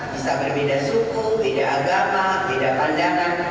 bisa berbeda suku beda agama beda pandangan